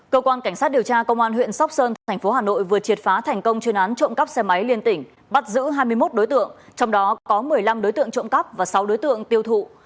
cơ quan cảnh sát điều tra công an huyện sóc sơn thành phố hà nội vừa triệt phá thành công chuyên án trộm cắp xe máy liên tỉnh bắt giữ hai mươi một đối tượng trong đó có một mươi năm đối tượng trộm cắp và sáu đối tượng tiêu thụ